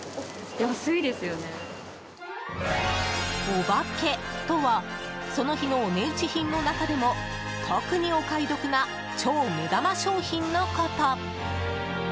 オバケとはその日のお値打ち品の中でも特にお買い得な超目玉商品のこと。